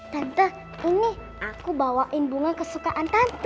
tante ini aku bawain bunga kesukaan tante